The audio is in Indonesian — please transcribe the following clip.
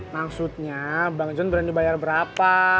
maksudnya bang john berani bayar berapa